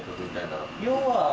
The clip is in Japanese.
要は。